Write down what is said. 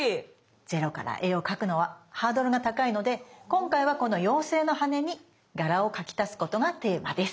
ゼロから絵を描くのはハードルが高いので今回はこの妖精の羽に柄を描き足すことがテーマです。